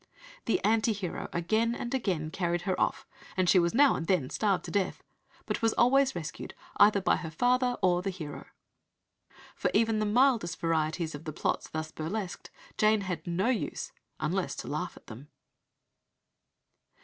The "anti hero" again and again carried her off, and she was "now and then starved to death," but was always rescued either by her father or the hero! For even the mildest varieties of the plots thus burlesqued Jane had no use, unless to laugh at them.